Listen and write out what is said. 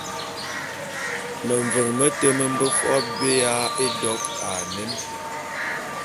Meveň mete me mbe fo’o abé ya édok a anen.